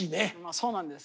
そうなんです。